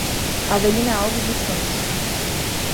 Avelina Alves do Santos